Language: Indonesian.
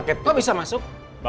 saya tidak mau ini